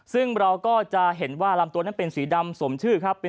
ซึ่งเราก็จะเห็นว่าลำตัวนั้นเป็นสีดำสมชื่อครับ